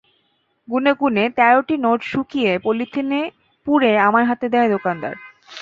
গুনে গুনে তেরোটি নোট শুকিয়ে পলিথিনে পুরে আমার হাতে দেয় দোকানদার।